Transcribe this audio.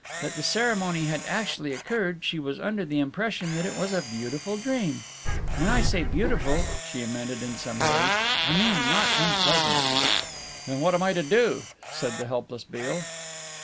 that the ceremony had actually occurred she was under the impression that it was a beautiful dream when I say beautiful," she amended, in some hurry, "I mean not unpleasant." "Then what am I to do?" said the helpless Beale.